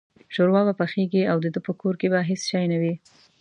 شوروا به پخېږي او دده په کور کې به هېڅ شی نه وي.